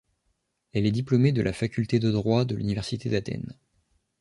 Elle est diplômée de la faculté de droit de l'université d'Athènes.